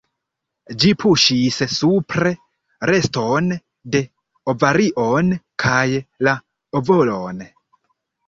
Ĝi puŝis supre reston de ovarion kaj la ovolon.